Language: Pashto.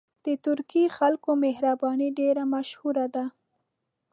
د ترکي خلکو مهرباني ډېره مشهوره ده.